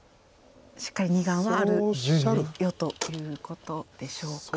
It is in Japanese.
「しっかり２眼はあるよ」ということでしょうか。